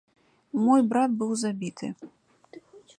Мой брат быў забіты.